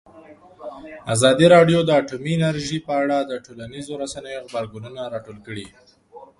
ازادي راډیو د اټومي انرژي په اړه د ټولنیزو رسنیو غبرګونونه راټول کړي.